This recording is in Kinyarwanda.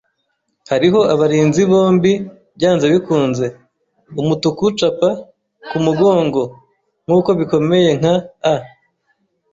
Hariho abarinzi bombi, byanze bikunze: umutuku-capa kumugongo, nkuko bikomeye nka a